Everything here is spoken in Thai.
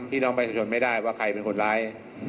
พี่น้องประชาชนไม่ได้ว่าใครเป็นคนร้าย